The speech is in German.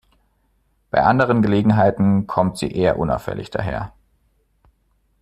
Bei anderen Gelegenheiten kommt sie eher unauffällig daher.